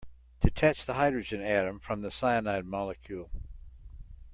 Detach the hydrogen atom from the cyanide molecule.